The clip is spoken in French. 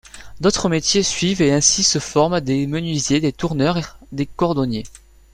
D'autres métiers suivent et ainsi se forment des menuisiers, des tourneurs, des cordonniers.